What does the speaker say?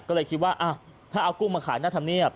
ก็เลยคิดว่าอ่ะถ้าเอากุ้งมาขายน่าทำเนียบ